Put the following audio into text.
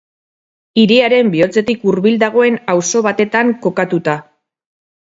Hiriaren bihotzetik hurbil dagoen auzo batetan kokatuta.